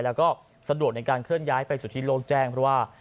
แล้วก็สะดวกในการเคลื่อนย้ายไปสู่ที่โลกแจ้งเพราะว่า